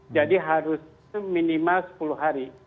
jadi harus minimal sepuluh hari